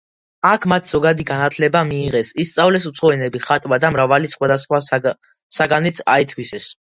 აქ მათ ზოგადი განათლება მიიღეს, ისწავლეს უცხო ენები, ხატვა და მრავალი სხვადასხვა საგანიც აითვისეს.